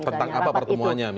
tentang apa pertemuannya misalnya